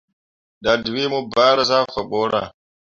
Dadǝwee mu bahra zah faa boro.